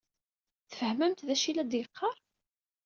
Tfehmemt d aci i la d-yeqqaṛ?